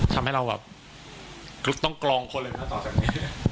ทำให้เราแบบต้องกรองคนเลยนะต่อจากนี้